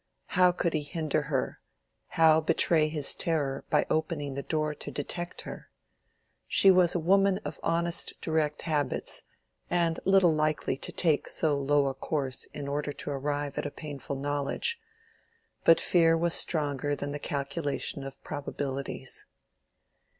How could he hinder her, how betray his terror by opening the door to detect her? She was a woman of honest direct habits, and little likely to take so low a course in order to arrive at painful knowledge; but fear was stronger than the calculation of probabilities.